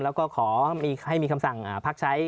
แล้วก็ขอให้มีคำสั่งพักใช้